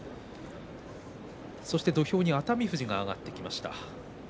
そして土俵上に熱海富士が上がってきました。